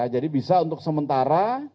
jadi bisa untuk sementara